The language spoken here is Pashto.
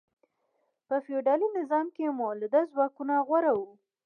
په فیوډالي نظام کې مؤلده ځواکونه غوره وو.